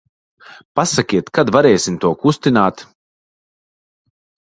Pasakiet, kad varēsim to kustināt.